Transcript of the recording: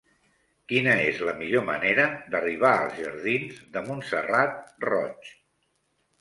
Quina és la millor manera d'arribar als jardins de Montserrat Roig?